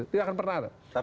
tidak akan pernah ada